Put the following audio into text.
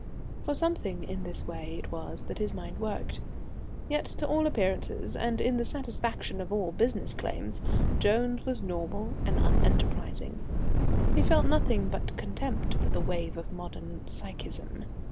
For something in this way it was that his mind worked. Yet, to all appearances, and in the satisfaction of all business claims, Jones was normal and unenterprising. He felt nothing but contempt for the wave of modern psychism.